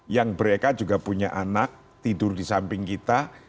yang mereka juga punya anak tidur di samping kita